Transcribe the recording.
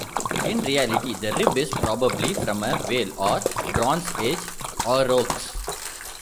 In reality, the rib is probably from a whale or Bronze Age aurochs.